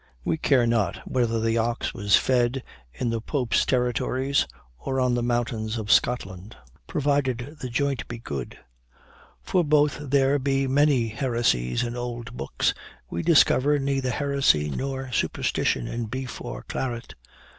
We care not whether the ox was fed in the Pope's territories, or on the mountains of Scotland, provided the joint be good; for though there be many heresies in old books, we discover neither heresy nor superstition in beef or claret.